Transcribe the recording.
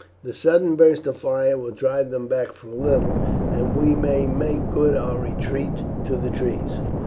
The sudden burst of fire will drive them back for a little, and we may make good our retreat to the trees."